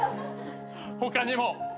他にも。